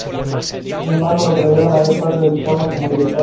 Sin embargo, lograría la mayor parte de su fama como director.